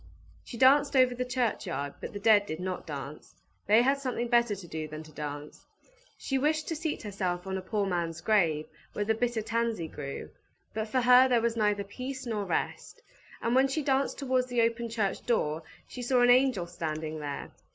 She danced over the churchyard, but the dead did not dance they had something better to do than to dance. She wished to seat herself on a poor man's grave, where the bitter tansy grew; but for her there was neither peace nor rest; and when she danced towards the open church door, she saw an angel standing there.